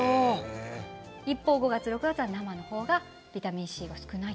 一方５月、６月は生の方がビタミンＣが少ないと。